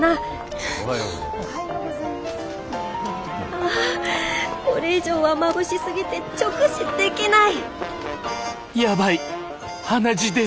ああこれ以上はまぶしすぎて直視できない！